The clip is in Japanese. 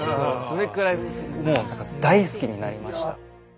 それくらいもう大好きになりました。